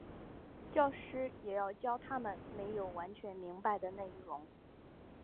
教师也要教他们没有完全明白的内容。